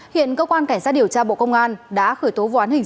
hiện cơ quan cảnh sát điều tra bộ công an đã khởi tố võ án hình